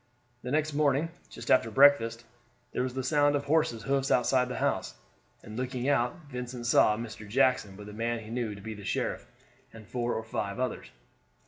The next morning, just after breakfast, there was the sound of horses' hoofs outside the house, and, looking out, Vincent saw Mr. Jackson, with a man he knew to be the sheriff, and four or five others.